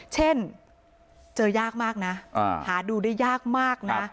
เช่นเจอยากมากนะหาดูได้ยากมากนะ